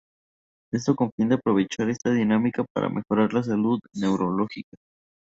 Esto con el fin de aprovechar esta dinámica para mejorar la salud neurológica.